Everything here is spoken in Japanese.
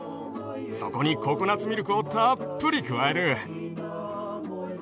そこにココナツミルクをたっぷり加える。